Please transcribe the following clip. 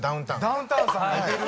ダウンタウンさんがいてる？